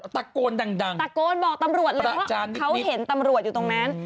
ตะโกนดังตะโกนบอกตำรวจเลยว่าเขาเห็นตำรวจอยู่ตรงนั้น